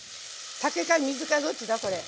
酒か水かどっちだこれ。